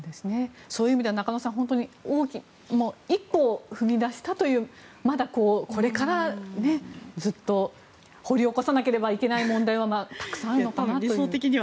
そういう意味では中野さん一歩を踏み出したというまだ、これからずっと掘り起こさなければいけない問題はたくさんあるのかなと。